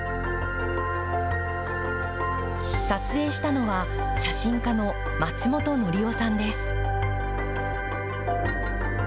撮影したのは写真家の松本紀生さんです。